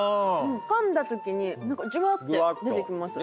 かんだときにジュワーって出てきます。